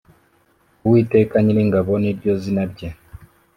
uwiteka nyiringabo ni ryo zina rye